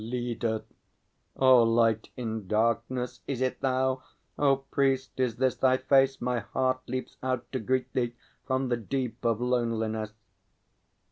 LEADER. O Light in Darkness, is it thou? O Priest, is this thy face? My heart leaps out to greet thee from the deep of loneliness.